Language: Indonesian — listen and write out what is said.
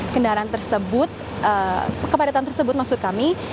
kendaraan tersebut kepadatan tersebut maksud kami